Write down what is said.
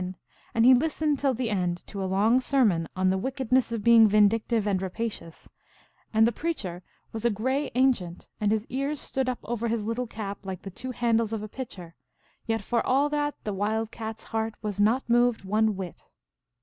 217 in, and he listened till the end to a long sermon on the wickedness of being vindictive and rapacious ; and the preacher was a gray ancient, and his ears stood np over his little cap like the two handles of a pitcher, yet for all that the Wild Cat s heart was not moved one whit.